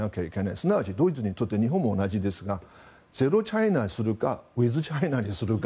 すなわちドイツにとって日本も同じですがゼロチャイナにするかウィズチャイナにするか。